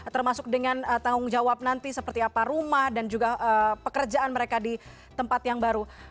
termasuk dengan tanggung jawab nanti seperti apa rumah dan juga pekerjaan mereka di tempat yang baru